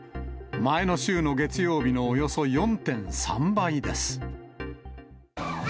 前の週の月曜日のおよそ４．３倍です。